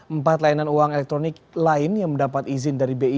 empat layanan uang elektronik lain yang mendapat izin dari bi